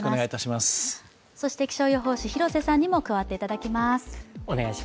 そして気象予報士、広瀬さんにも加わっていただきます。